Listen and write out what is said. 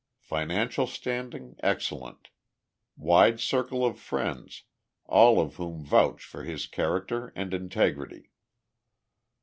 Financial standing excellent. Wide circle of friends, all of whom vouch for his character and integrity."